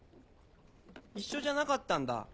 一緒じゃなかったんだ。